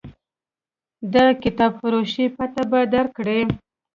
د کتابفروش پته به درکړي.